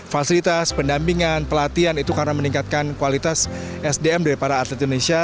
fasilitas pendampingan pelatihan itu karena meningkatkan kualitas sdm dari para atlet indonesia